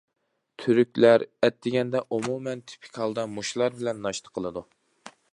تۈركلەر ئەتىگەندە ئومۇمەن تىپىك ھالدا مۇشۇلار بىلەن ناشتا قىلىدۇ.